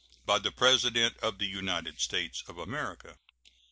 BY THE PRESIDENT OF THE UNITED STATES OF AMERICA.